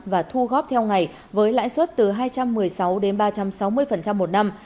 và thu góp theo ngày với lãi suất từ hai trăm một mươi sáu đến ba trăm sáu mươi một năm